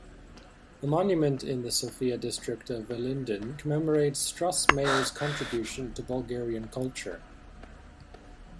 A monument in the Sofia district of Ilinden commemorates Strossmayer's contribution to Bulgarian culture.